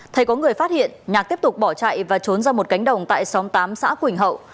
thấy có người phát hiện nhạc tiếp tục bỏ chạy và trốn ra một cánh đồng tại xóm tám xã quỳnh hậu